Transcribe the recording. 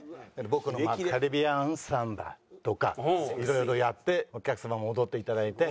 僕の『カリビアン・サンバ』とかいろいろやってお客様も踊っていただいて。